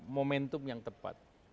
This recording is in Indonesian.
momentum yang tepat